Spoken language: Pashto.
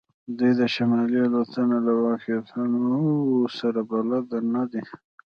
دوی د شمالي الوتنو له واقعیتونو سره بلد نه دي